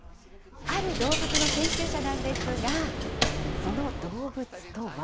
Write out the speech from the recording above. ある動物の研究者なんですが、その動物とは。